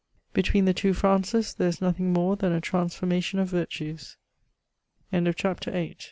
Between the two Frances, there is nothing more than a trans formation of yirtues. London, April to